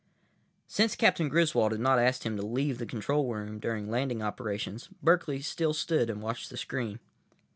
———— Since Captain Griswold had not asked him to leave the control room during landing operations, Berkeley still stood and watched the screen.